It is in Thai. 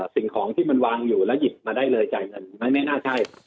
สิ่งของที่มันวางอยู่แล้วหยิบมาได้เลยจ่ายเงินไม่น่าใช่